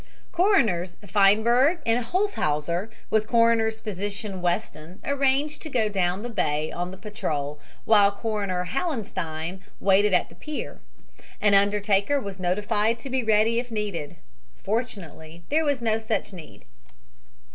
Coroners Feinberg and Holtzhauser with Coroner's Physician Weston arranged to go down the bay on the Patrol, while Coroner Hellenstein waited at the pier. An undertaker was notified to be ready if needed. Fortunately there was no such need.